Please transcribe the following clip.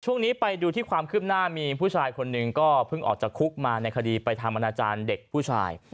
ช่วงนี้ไปดูที่ความคืบหน้ามีผู้ชายคนหนึ่งก็เพิ่งออกจากคุกมาในคดีไปทำอนาจารย์เด็กผู้ชาย